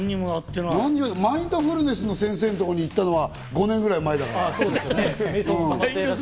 マインドフルネスの先生のところに行ったのは５年ぐらい前。